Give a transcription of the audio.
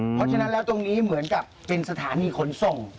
เพราะฉะนั้นแล้วตรงนี้เหมือนกับเป็นสถานีขนส่ง